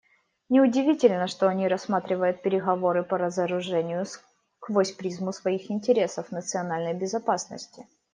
Неудивительно, что они рассматривают переговоры по разоружению сквозь призму своих интересов национальной безопасности.